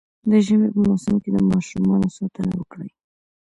د ژمي په موسم کي د ماشومانو ساتنه وکړئ